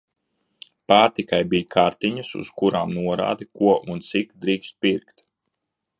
Pārtikai bija "kartiņas", uz kurām norāde, ko un cik drīkst pirkt.